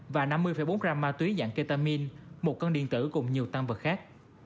và năm mươi bốn gram ma túy dạng ketamine một con điện tử cùng nhiều tăng vật khác